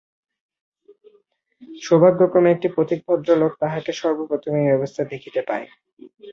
সৌভাগ্যক্রমে একটি পথিক ভদ্রলোক তাহাকে সর্বপ্রথমে এই অবস্থায় দেখিতে পায়।